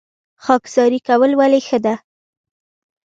خاکساري کول ولې ښه دي؟